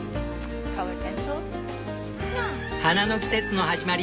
花の季節の始まり。